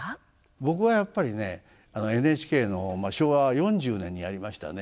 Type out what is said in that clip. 僕はやっぱりねＮＨＫの昭和４０年にやりましたね